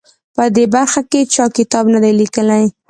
په دې باره کې چا کتاب نه دی لیکلی.